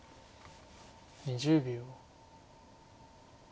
２０秒。